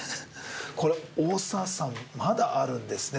これ大沢さんまだあるんですね